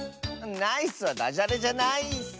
「ナイス」はダジャレじゃないッス！